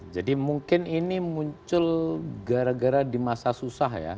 jadi mungkin ini muncul gara gara di masa susah ya